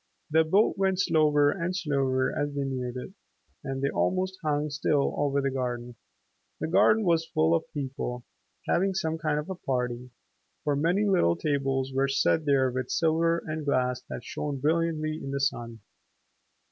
The boat went slower and slower as they neared it and then almost hung still over the garden. The garden was full of people, having some kind of a party, for many little tables were set there with silver and glass that shone brilliantly in the sun.